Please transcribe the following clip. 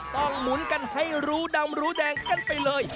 หมุนกันให้รู้ดำรู้แดงกันไปเลย